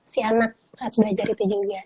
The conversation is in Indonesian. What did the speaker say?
si anak saat belajar itu juga